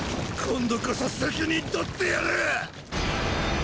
今度こそ責任取ってやる！